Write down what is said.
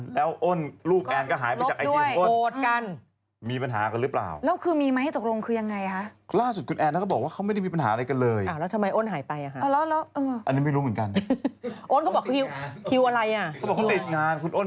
แล้วอ้อนลูกแอนก็หายไปจากไอจีของอ้อน